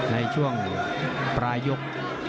ในช่วงประยก